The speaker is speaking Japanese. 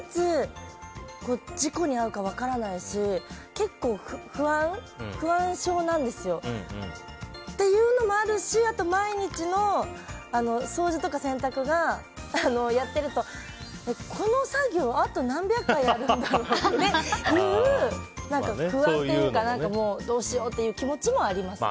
いつ事故に遭うか分からないし結構、不安症なんですよ。っていうのもあるしあと、毎日の掃除とか洗濯をやってると、この作業あと何百回やるんだろうっていう不安というかどうしようという気持ちもありますね。